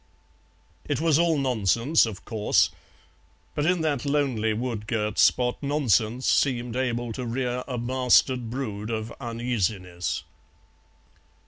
It was all nonsense, of course, but in that lonely wood girt spot nonsense seemed able to rear a bastard brood of uneasiness.